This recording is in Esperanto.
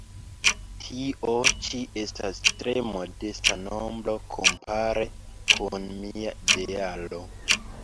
Tio ĉi estas tre modesta nombro kompare kun mia idealo.